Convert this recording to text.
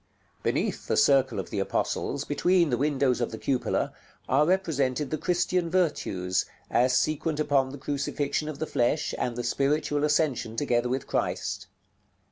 § LXIX. Beneath the circle of the apostles, between the windows of the cupola, are represented the Christian virtues, as sequent upon the crucifixion of the flesh, and the spiritual ascension together with Christ.